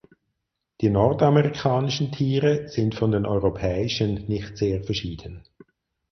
Die nordamerikanischen Tiere sind von den europäischen nicht sehr verschieden.